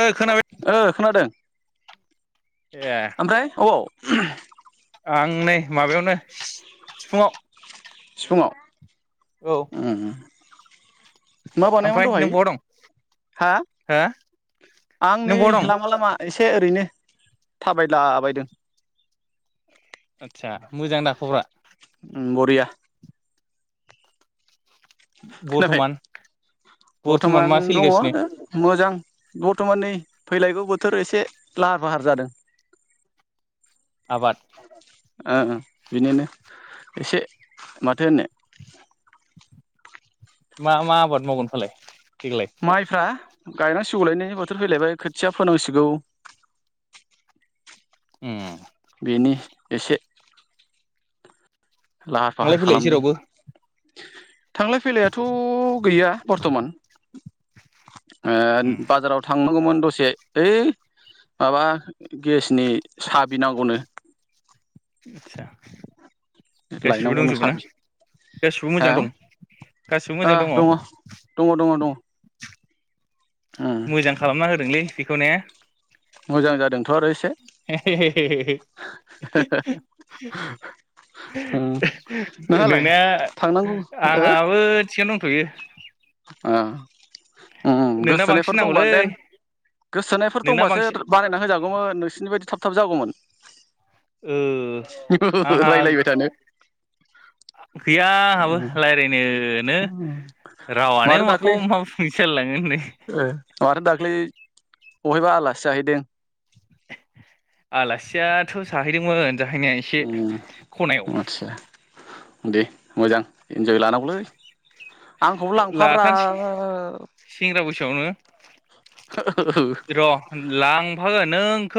ओ खोनाबाय ओ खोनादों, ए ओमफ्राय अबाव? [unintelligible] आं नै माबायावनो सिफुङाव। सिफुङाव। औ ओम। मा बानायोमोन ओमफ्राय दहाय नों बहा दं हा? हो आं नों नै बहा दं लामा लामा एसे ओरैनो थाबायद्ला बायदों। आदसा मोजां दा खबरा? उम बरिया। खोनाबाय बर्थमान बर्थमान मा दङ' सोलिगासिनो ओ मोजां। बर्थमान नै फैलायगौ बोथोर एसे लाहार फाहार जादों। आबाद ओं ओं बिनिनो एसे माथो होननो। मा मा आबाद मावगोन फालाय? देग्लाय माइफ्रा गायनाय सिगौलायनायनि बोथोर फैलायबाय खोथिया फोनांसिगौ। उम। बेनि एसे लाहार फाहार थांलाय फैलाय खालामदों। जेरावबो थांलाय फैलायाथ' गैया बर्थमान। ओ उम बाजाराव थांनांगौमोन। दसे ओइ माबा गेसनि साबि नांगौनो। आदसा। गासिबो लायनांगौनो दंजोबो ना साबि। गासिबो हा मोजां दं गासिबो आ मोजां दङ दङ दङ दङ। उम मोजां खालामना होदोंलै बेखौ ने। मोजां जादोंथ' आरो एसे। [unintelligible] उम नोंहालाय नोंना थांनांगौ ओ आंहाबो थिगानो दंथ'यो। [inaudible] अ। उम नोंना गोसोथोनायफोर बांसिन दंबा नांगौलै देन गोसोथोनायफोर नोंना दंबासो बांसिन बानायना होजागौमोन नोंसिनि बायदि थाब थाब जागौमोन। ओ [unintelligible] आंहा रायलायबाय थानो। गैया आंहाबो रायलायनोनो रावा माथो दाख्लै ओ माथो दाख्लै बहायबा आलासि जाहैदों? आलासियाथ' जाहैदोंमोन। जाहैनाया एसे उम ख'नायाव। आदसा दे मोजां इन्जय लानांगौलै। आंखौबो लांफाब्रा। थियावनो र लां फागोन नों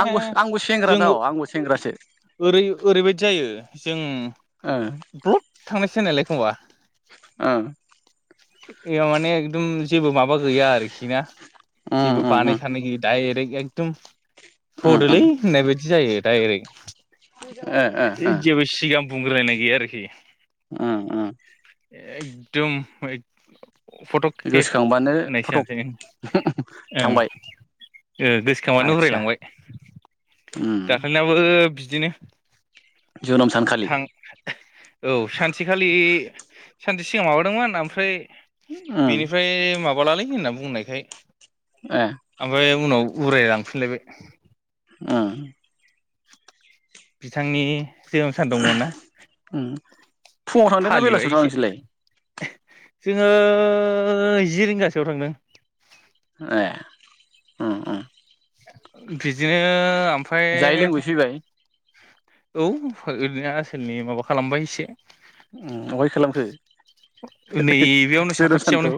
आंबो आंबो सेंग्रा जों दा आंबो सेंग्रासो। ओरै ओरैबायदि जायो जों ओ [inaudible] थांनोसैनोलैय खोमबा ओ एयाव माने एगदम जेबो माबा गैया आरोखि ना उम जेबो उम उम बानायखानाय गैयि दाइरेक्ट एकदम उम थदोलै उम होननाय बायदि जायो ओ ओ दाइरेक्ट ओ जेबो सिगाम बुंग्रायनाय गैया आरोखि ओ ओ एकदम हैद [inaudible] फटखे गोसोखांबानो होननायसो फटक जानोसैनों ओं थांबाय ओ गोसोखांबानो आदसा उरायलांबाय। उम दाखालैनाबो बि दिनो जोनोम सानखालि थां औ सानसेखालि सानसे सिगां माबादोंमोन ओमफ्राय उम बेनिफ्राय माब बलालै होनना बुंनायखाय ए आबायाव उनाव उराय लांफिनलायबाय। ओ। बिथांनि जोनोम सान दंमोन ना उम फुङाव थांदोंना फालिबाय बेलासियाव थांदों एसे नोंसोरलाय? जोङो जि रिंगासोयाव थांदों। ए उम उम। बिदिनो आम जायै लोंबोयै फैबाय। औ ओरैनो आसोलनि माबा खालामबाय एसे। उम अहाय खालामखो? नैबेयावनो जोनोम सानखौ साखाथियावनो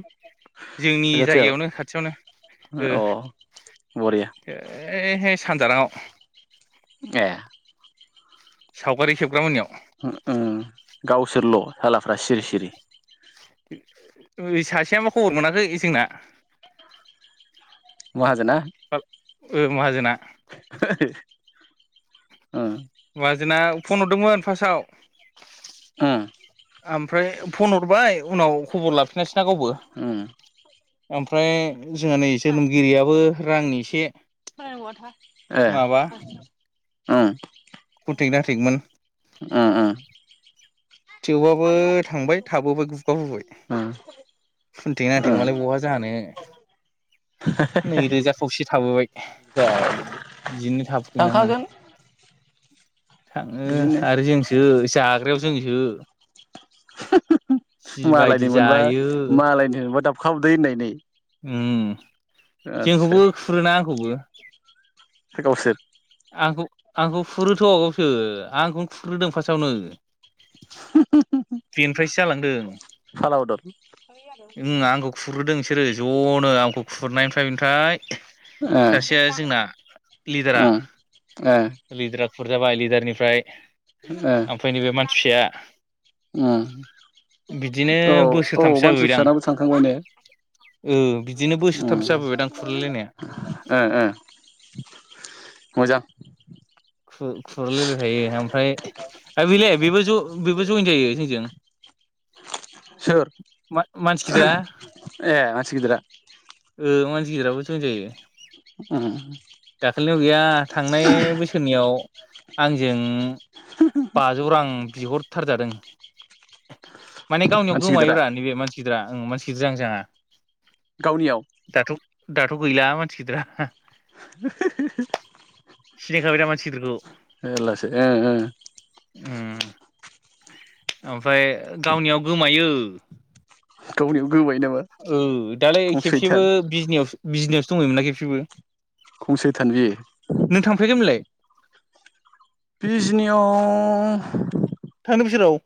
जोंनि रुवाथियाव जायगायावनो खाथियावनो ओ। अ बरिया ओयहाय सानजाराङाव। ए। सावगारि खेबग्रामोननियाव। हुम उम गावसोरल' सालाफ्रा सिरि सिरि। सासेयाबा खबर मोनाखै जोंना। माहाजोना? ओ माहाजोना। [inaudible] माहाजोना फन हरदोंमोन फार्स्टआव। [inaudible] उम। ओमफ्राय फन हरबाय उनाव खबर लाफिनासै ना गावबो। उम ओमफ्राय जोंहा नै जोननोमगिरियाबो रांनि एसे ए। माबा ओं। उम कन्टेक्ट नांथेंमोन उम। [inaudible] थेवबाबो थांबाय थाबोबाय गुगाबोबाय। ओ खुनथेमाथे मालाय ओ बहा जानो। नैरोजा खावसे थाबोबाय। बिदिनो थाबोदोंदां उम। थांखागोन थाङो बिदिनो आरो जोंसो जाग्रायाव जों ओ [inaudible] मालायनि मोनबा जायो मालायनि मोनबा दाब खा उदै होननायनि। उम जोंखौबो खुरोना आंखौबो खो गावसोर आंखौ आंखौ खुरोथ' गावसो आंखौनो खुरग्रोदों फार्स्टआवनो। बेनिफ्रायसो जालांदों फाला बदल उम आंखौ खुरग्रोदों बिसोरो ज'नो आंखौ खुरनायनिफ्राय थाय ओ ओ लिद्राफोर जाबाय लिदारनिफ्राय ओ उम बिदिनो औ औ बोसोरथामसो मानसि जाबोबायदां फिसानाबो थांखांबाय ने ओ बिदिनो बोसोरथामसो जाबोबायदां खुरलायलायनाया ओ ओ ओ मोजां खु-खुरलायलायनाय थायो आमफ्राय आरो बेलाय बेबो ज बेबो जयेन जायो जोंजों सोर मा-मानसि गिदिरा ए मानसि गिदिरा ओ मानस गिदिराबो जइन जायो। उम दाखालियाव गैया थांनाय बैस सोरनियाव आंजों बाजौ रां बिहरथारजादों। मानि गावनियाव मानसि गिदिरा गोमायोब्रा नैबे मानसि गिदिरा। आं मानसि गिदिर जां जाङा। गावनियाव दाथ' गैला मानसि गिदिरा। [unintelligible] सिनायखाबाय दा मानसि गिदिरखौ जाल्लासो ओं ओं औ फ्राय गावनियाव गोमायो। उम गावनियाव गोबाय नामा ओ दालाय खमसैथान खेबसेबो बिजनियावस बिजनियावसो दङैमोनना खेबसेबो। खम सेैथान बे नों थांफेरखोमोनलाय बिजनियाव थांनाय बोसोराव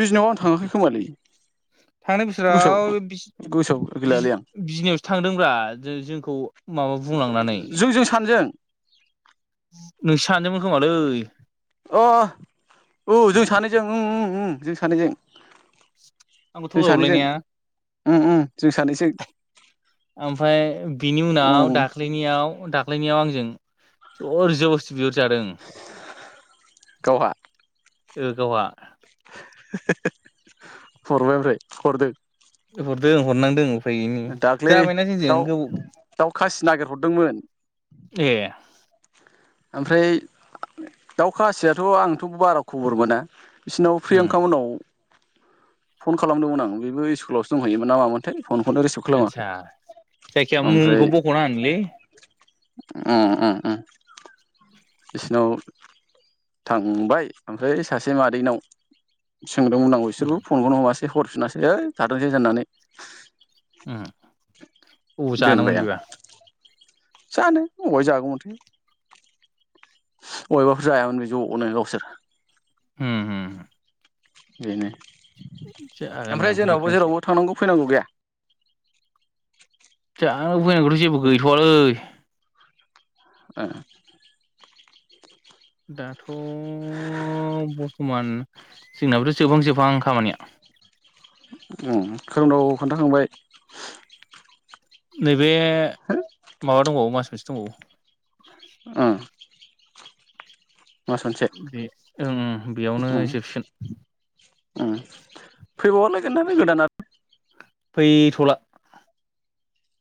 बिजनिआव आं थाङाखै खोमालै थांनाय गोसोआव बोसोराव बिज गोसोआव बिज गैलालै आं बिजनिआव थांदोंब्रा जो-जोंखौ ओ जोंजों सानजों नोंसो सानदोंमोन खोमालै अ औ जों सानै जों अम अम ओम जों सानैजों। आंखौ थगायहरलायनाया उम उम जों सानैसो ओमफाय बिनि उनाव उम दाख्लैनियाव-दाख्लैनियाव आं जों जर जबस बिहर जादों। गावहा ओ गावहा हरबाय ओमफ्राय हरदों हरदों हरनांदों उफाय गैयिनि दाख्लै जाबायना जोंजों गोबाव दाउ-दाउ खासि नागिरहरदोंमोन ए ओमफ्राय दाउ खासियाथ' आंथ' बारा ख'बर मोना बिसिनाव उम प्रियांका मोननाव फन खालामदोंमोन आं बेबो इस्कुलावसो दंहैयोमोन ना मामोनथाय फनखौनो रिसिभ खालामाखै आतसा जायखिया मुंखौ बख'नाङानोलै अम अम अम बिसोरनाव थांबाय ओमफ्राय सासे मादैनाव सोंदोंमोन आं उम बिसोरखौ फनखौनो ह'मासै हरफिनासै है थाथोंसै होननानै अम औ जानो दोनबाय मोन आं बिबा जानो अबाय जागौमोनथाय अबेबाफोर जायामोन बे ज'नो गावसोर अम अम अम बेनो जागोनदां ओमफ्राय जोंनावबो बेखायनोसो जेरावबो थांनांगौ फैनांगौ गैया दा फैनायखौथ' जेबो गैथ'आलै ओं दा थ' बर्थमान जोंनाबोथ' जोबहां-जोबहां खामानिया अम खोरोमदाव खोन्थाखांबाय नै बे हो माबा दंबावो मास से दंबावो अम बे ओं ओं बेयावनो जोबसिगोन अम फैबावगोनलै बे गोदान आब फैथ'ला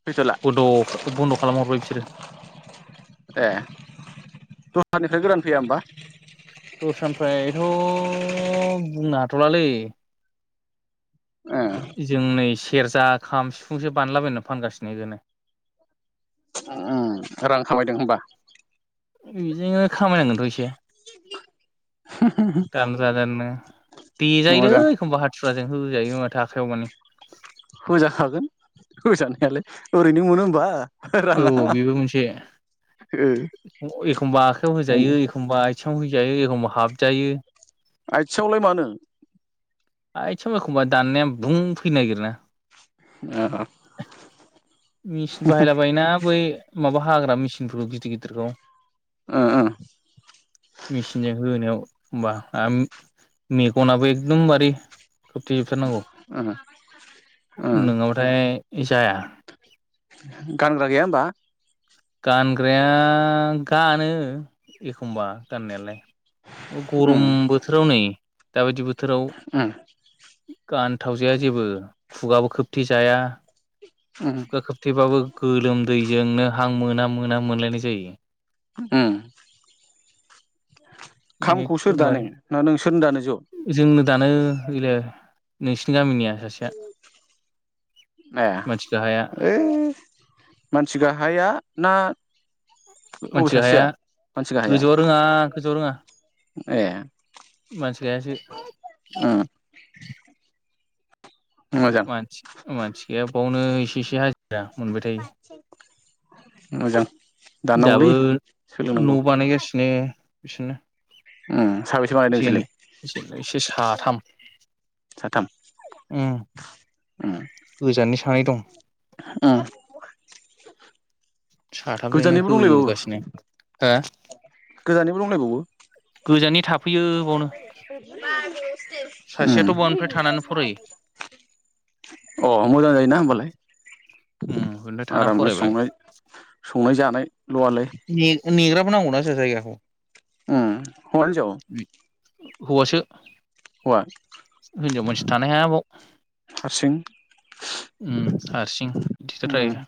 फैथ'ला बन्द' [unintelligible] बन्द' खालामहरबाय बिसोरो ए [inaudible] फाय गोदानन फैया होमबा। दसतानिफ्रायथ' बुंनो हाथ'लालै जोंनै सेरजा खाम सिफुंसो बानलाबायना फानगासिनो [inaudible] [unintelligible] रां खामायदों होमबा। बिदिनो खामायनांगोनथ' एसे तान जागोननो मोजां देजायोलै [unintelligible] [unintelligible] होजायो माथो आखायाव मानि होजाखागोन होजानायालाय ओरैनो मोनो होमबा औ राङा बेबो मोनसे एखमबा आखाइयाव होजायो एखमबा आथिङाव हो- जायो एखमबा हाबजायो। आथियावलाय मानो। आइ [unintelligible] एखमबा दाननाया बुं फैनो नागिरोना मिचिन बाहायलाबायोना बै माबा हाग्रा मेसिनफोरखौ गिदिर गिदिरखौ मिचिनजों होनायाव होमबा आम मेगनाबो एकदमबारे खोबथेजोबथार नांगौ नोंङाबाथाय जाया गानग्रा गैया होमबा गानग्राया गानो एखमबा गाननायालाय गरम बोथोराव नै दाबादि बो बोथोराव होमबा गानथावजाया जेबो खुगाबो खोबथि जाया खुगा खोबथेबाबो गोलोम दैजोंनो हां मोना मोना मोनलायनाय जायो। उम सोर दानो एखदमबारे ना नोंसोरनो दानो ज' जोंनो दानो [unintelligible] नोंसिनि गामिनिया सासेया माया मानसि गाहाया ऐ मानसि गाहाया ना अबे मानसि हाया सासेया मानसि गाहाया गोजौआव रोङा गोजौआव रोङा ए मानसिखायासो उम मोजां मानसि मानसि गैया ब नै इसे इसे दा मोनबाय थायो मोजां दाबो दाननांगौलै सोलोंनांगौ न' बानायगासिनो बिसोरनो ओम जेन जेन एसे साथाम साथाम उम उम गोजाननि सानै दं उम साथामजोंनो गोजाननिबो दंलायबावो होगासिनो हो गोजाननिबो दंलायबावो गोजाननि थाफैयो बावनो [inaudible] उम सासेयाथ' बावनिफ्राय थानानै फरायो अ मोजां जायोना होमबालाय उम बेनिफ्राय थाना आरामनो फरायबाय संनाय संनाय जानाय ने नेग्रा नांगौना जा जायगाखौ ओ हौवा हिनजाव हौवासो हौवा हिनजाव मानसि थानो हाया बाव हारसिं उम हारसिं [unintelligible]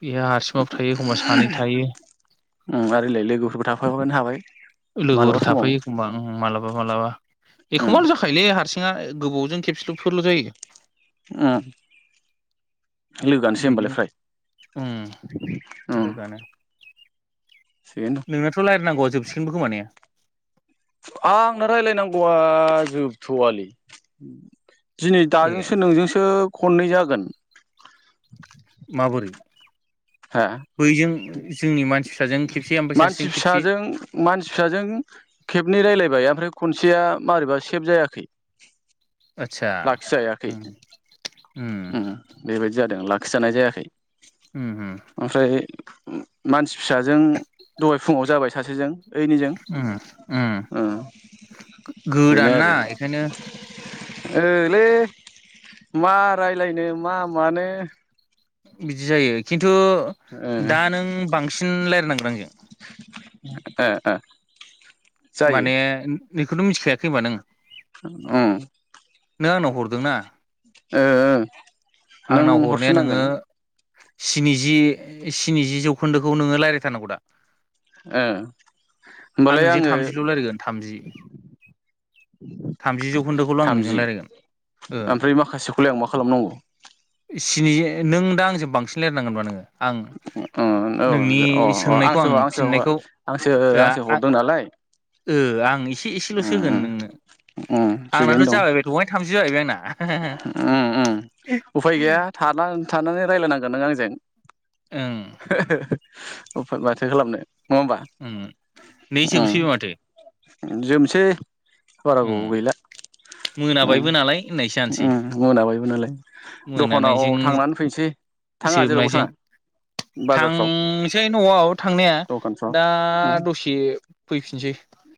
[inaudible] हारसिंबाबो थायो एखमबा सानै थायो ओम आरो इलाय लोगोफोरबो थाफाबानो हाबाय लोगोफोर मालाबा समाव थाफायो एखमबा मालाबा मालाबा उम एखमबाल' जाखायोलै हारसिंङा [unintelligible] गोबावजों खेबसेल'फोरल' जायो ओ लोगोआनोसै बेनो होमबालाय फ्राय उम लोगोआनो थिगैनो नोंनाथ' रायनांगौआ जोबसिगोनबो खोमा ने? आंनो रायलायनांगौआ जोबथ'आलै दिनै दाजोंसो नोंजोंसो खननै जागोन माबोरै हो बैजों जोंनि मानसि फिसाजों खेबसे ओमफ्राय सासेजों मानसि खेबसे फिसाजों मानसि फिसाजों खेबनै रायलायबाय आ आमफ्राय खनसेया मोरैबा सेब जायाखै आटसा लाखिजायाखै उम उम बेबायदि जादों खिजानाय जायाखै उम ओमफ्राय मानसि फिसाजों दहाय फुङाव जाबाय सासेजों ओइनिजों उम उम ओ बेनो गोदान ना आरो एखायनो ओलै मा रायज्लायनो मा मानो बिदि जायो खिन खिन्थु ओ दा नों बांसिन रायलायनांगोन आंजों ओ ओ जायो माने बेखौथ' मिथिखायाखै होनबा नों ओम नों आंनाव हरदोंना ओ ओ नों आंनाव हरनाया हरफिन नोङो नांगोन स्निजि स्निजि जौखोन्दोखौ नोङो रायज्लायथारनांगौ दा ओ आं होमबालाय नोंजों आङो थामजिल' रायज्लायगोन थामजि थामजि जौखोन्दोखौल' आं नोंजों थामजि रायज्लायगोन ओ ओमफ्राय माखासेखौलाय आं मा खालामनांगौ स्निजि नों दा आंजों बांसिन लायरायनांगोनब्रा नों म औ अ सोंनायखौ आंसो आं आंसो फिननायखौ आंसो ओ आंसो आ हर दं नालाय ओ आं एसे एसेल'सो उम होगोन उम नोंनो ओम आंनाथ' थिगैनो दं जाबाय बे दहाय थामजि जाहैबाय आंना उम उम उफाय गैया थांनानै रायलायनांगोन नों आंजों ओं [inaudible] उफाय माथो खालामनो नङा होमबा ओं नै जोबसैबो माथो ओम जोमसै बारा ओं गोबाव गैला उम मोनाबायबो नालाय होननायसो जानोसै उम मोनाबायबो नालाय दखानाव मोनानायजों थांनानै फैनोसै थाङा जेरावबो जोबनायजों थाङा बाजारफ्राव थांसै न'आव थांनाया दखानफ्राव दा उम दसे फैफिनसै